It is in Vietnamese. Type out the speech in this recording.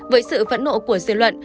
với sự vẫn nộ của dư luận